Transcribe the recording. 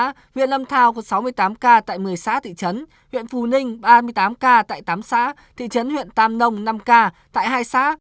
nguyện lâm thao có sáu mươi tám ca tại một mươi xã thị trấn nguyện phù ninh ba mươi tám ca tại tám xã thị trấn nguyện tam nông năm ca tại hai xã